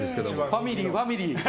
ファミリー、ファミリー！